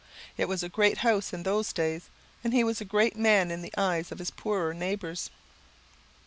It was a great house in those days, and he was a great man in the eyes of his poorer neighbours.